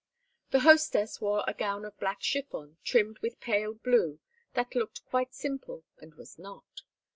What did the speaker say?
The hostess wore a gown of black chiffon trimmed with pale blue that looked simple and was not.